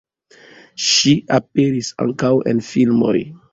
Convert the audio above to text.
Ŝi aperis ankaŭ en filmoj.